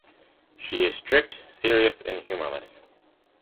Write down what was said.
She is strict, serious, and humorless.